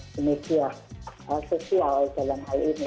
di media sosial dalam hal ini